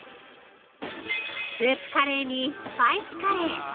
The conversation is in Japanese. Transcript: スープカレーにスパイスカレー。